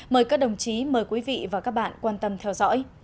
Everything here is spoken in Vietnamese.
mời các đồng chí mời quý vị và các bạn quan tâm theo dõi